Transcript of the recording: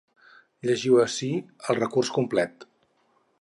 Llegiu ací el recurs complet.